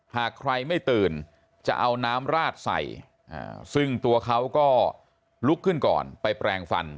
หากใครไม่ตื่นจะเอาน้ำราดใส่ซึ่งตัวเขาก็ลุกขึ้นก่อนไปแปลงฟัน